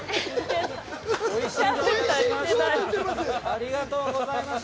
ありがとうございます。